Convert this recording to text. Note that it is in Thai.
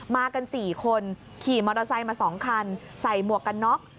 มากัน๔คนขี่มอเตอร์ไซค์มา๒คันใส่หมวกกันน็อก